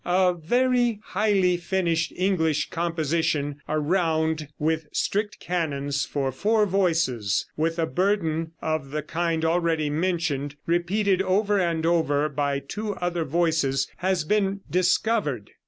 A very highly finished English composition, a round with strict canon for four voices, with a burden of the kind already mentioned, repeated over and over by two other voices has been discovered.